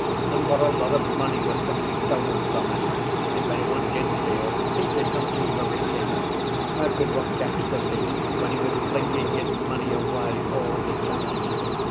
And what a lot of money was simply stolen from him! And if any one did steal, he did not leave a receipt. How could one catch the thief when he was flinging his money away all the time?